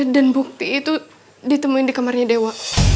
dan bukti itu ditemuin di kamarnya dewa